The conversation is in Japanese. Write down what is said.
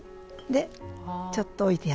でちょっと置いて。